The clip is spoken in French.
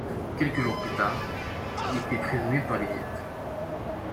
Quelques jours plus tard, il est fait prisonnier par les Viets.